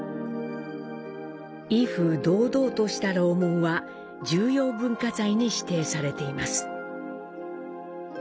威風堂々とした楼門は重要文化財に指定されています。